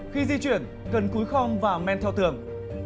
khi di chuyển cần cúi khong và men theo tường